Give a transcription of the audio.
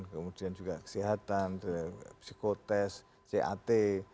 kemudian juga kesehatan psikotest cat